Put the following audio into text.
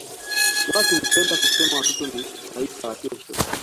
Watu hupenda kusema watoto ni taifa la kesho.